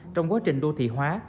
trong quá trình đô thị hóa